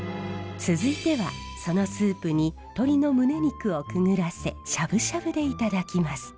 続いてはそのスープに鶏の胸肉をくぐらせしゃぶしゃぶでいただきます。